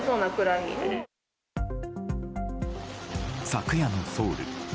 昨夜のソウル。